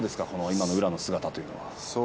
今の宇良の姿というのは。